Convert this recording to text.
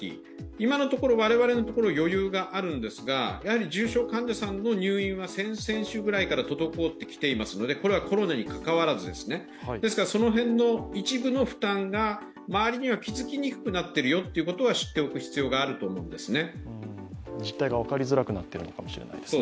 今のところ、我々のところ余裕があるんですが、やはり重症患者さんの入院は先々週ぐらいから滞ってきていますので、これはコロナにかかわらずですが、一部の負担が周りには気付きにくくなってるよということを知っておく必要がありますね。